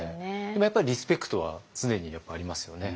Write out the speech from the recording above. でもやっぱりリスペクトは常にありますよね。